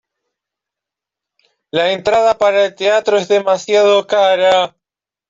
La entrada para el teatro es demasiado cara.